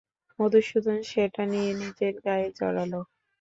মধুসূদন সেটা নিয়ে নিজের গায়ে জড়াল।